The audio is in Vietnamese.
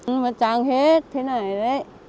mà trắng hết thế này đấy